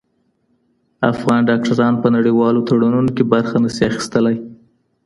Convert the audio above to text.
افغان ډاکټران په نړیوالو تړونونو کي برخه نه سي اخیستلای.